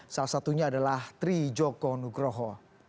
salah satunya adalah tri joko nugroho